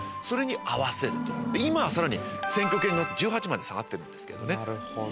それに合わせると今はさらに選挙権が１８まで下がってるんですけどね。